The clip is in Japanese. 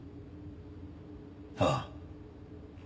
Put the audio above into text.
ああ。